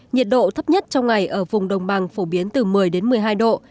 nhiệt độ thấp nhất trong ngày ở vùng đồng bằng phổ biến từ một mươi đến một mươi hai độ